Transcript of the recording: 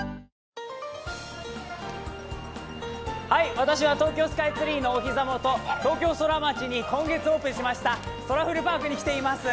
私は東京スカイツリーのお膝元、東京ソラマチに今月オープンしましたソラフルパークに来ています。